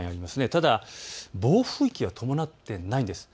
ただ暴風域は伴っていないんです。